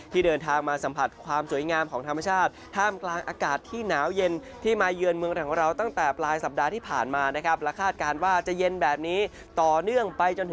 ที่เดินทางมาสัมผัสความสวยงามของธรรมชาติ